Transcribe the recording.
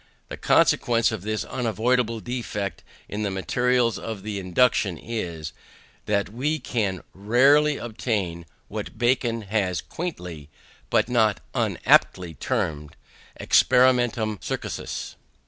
The consequence of this unavoidable defect in the materials of the induction is, that we can rarely obtain what Bacon has quaintly, but not unaptly, termed an experimentum crucis.